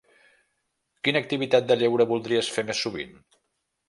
Quina activitat de lleure voldries fer més sovint?